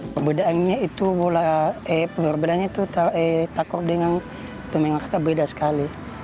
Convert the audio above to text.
perbedaannya itu bola perbedaannya itu takraw dengan pemain raga beda sekali